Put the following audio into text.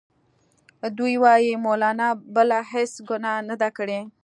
دوی وايي مولنا بله هیڅ ګناه نه ده کړې.